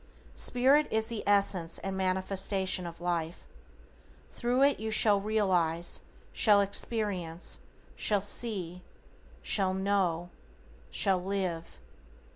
Spirit is the essence and manifestation of life. Thru it you shall Realize, shall Experience, shall See, shall Know, shall Live.